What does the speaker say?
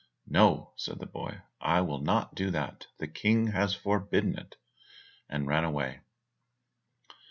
"No," said the boy, "I will not do that; the King has forbidden it," and ran away.